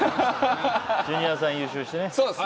ジュニアさん優勝してね。